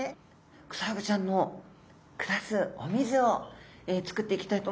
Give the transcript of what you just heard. クサフグちゃんの暮らすお水をつくっていきたいと思うんですが。